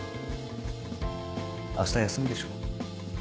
明日休みでしょ？